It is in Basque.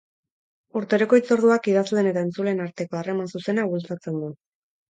Urteroko hitzorduak idazleen eta entzuleen arteko harreman zuzena bultzatzen du.